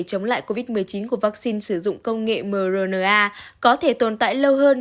chống lại covid một mươi chín của vaccine sử dụng công nghệ mrna có thể tồn tại lâu hơn